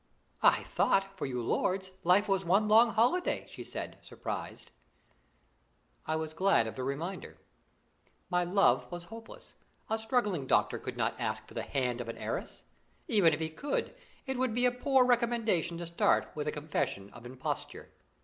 "I thought, for you lords, life was one long holiday," she said, surprised. I was glad of the reminder. My love was hopeless. A struggling doctor could not ask for the hand of an heiress. Even if he could, it would be a poor recommendation to start with a confession of imposture.